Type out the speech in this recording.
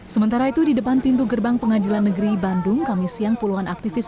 sementara itu di depan pintu gerbang pengadilan negeri bandung kami siang puluhan aktivis